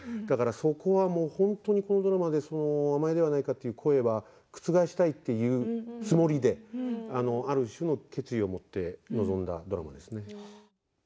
だから、そこはもう本当にこのドラマでその甘えではないかという声は覆したいっていうつもりである種の決意を持って臨んだドラマですね。